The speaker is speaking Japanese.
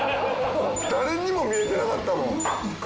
誰にも見えてなかったもん。